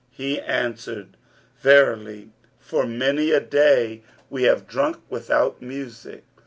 He answered, 'Verily for many a day we have drunk without music.'